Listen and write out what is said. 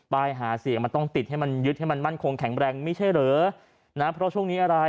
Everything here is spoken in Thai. หาเสียงมันต้องติดให้มันยึดให้มันมั่นคงแข็งแรงไม่ใช่เหรอนะเพราะช่วงนี้อะไร